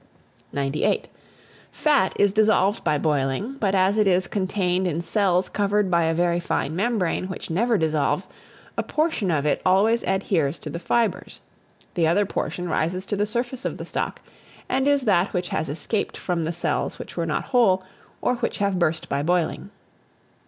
98. FAT is dissolved by boiling; but as it is contained in cells covered by a very fine membrane, which never dissolves, a portion of it always adheres to the fibres. The other portion rises to the surface of the stock, and is that which has escaped from the cells which were not whole, or which have burst by boiling.